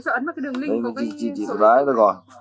chị sợ ấn vào cái đường link của cái